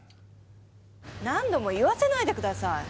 何度も言わせないでください！